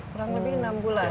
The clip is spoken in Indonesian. kurang lebih enam bulan